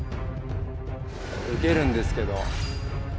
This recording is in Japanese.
ウケるんですけど。